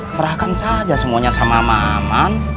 serahkan saja semuanya sama sama aman